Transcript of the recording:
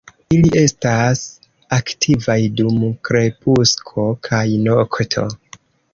Ili estas aktivaj dum krepusko kaj nokto.